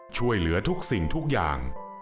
ช่วยเหลือทุกสิ่งทุกอย่าง